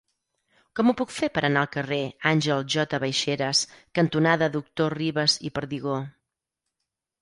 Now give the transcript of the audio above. Com ho puc fer per anar al carrer Àngel J. Baixeras cantonada Doctor Ribas i Perdigó?